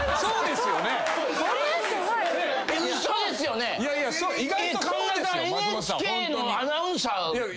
ＮＨＫのアナウンサーで。